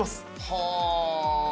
はあ！